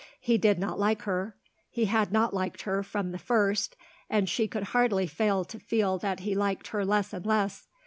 He did not like her; he had not liked her from the first; and she could hardly fail to feel that he liked her less and less.